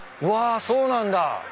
うわそうなんだ。